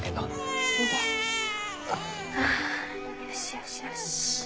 あよしよしよし。